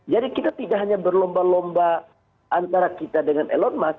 jadi kita tidak hanya berlomba lomba antara kita dengan elon musk